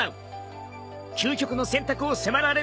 究極の選択を迫られる颯也。